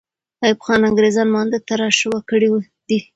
ایوب خان انګریزان مانده ته را شوه کړي دي.